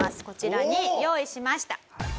こちらに用意しました。